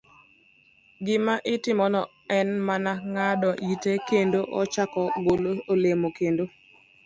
Gima itimone en mana ng'ado ite kendo ochako golo olemo kendo.